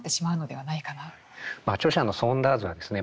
まあ著者のソーンダーズはですね